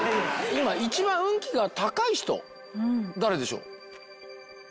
今一番運気が高い人誰でしょう？